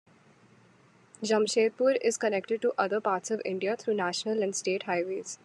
Jamshedpur is connected to other parts of India through national and state highways.